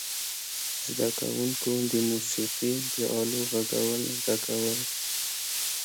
زده کوونکو د موسیقي د آلو غږول زده کول.